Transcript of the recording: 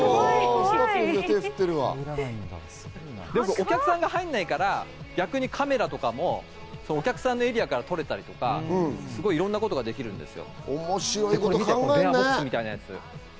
お客さんが入んないから、逆にカメラとかも、お客さんのエリアから撮れたりさ、いろんなことができるんですよ。